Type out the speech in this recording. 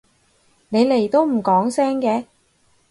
你嚟都唔講聲嘅？